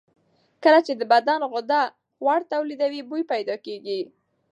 کله چې د بدن غده غوړ تولیدوي، بوی پیدا کېږي.